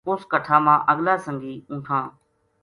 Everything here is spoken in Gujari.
اس کٹھا ما اگلا سنگی اونٹھاں